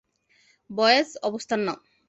Boys, অবস্থান নাও।